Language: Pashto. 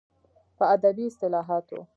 په ادبي اصلاحاتو